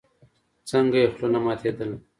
څنگه يې خوله نه ماتېدله.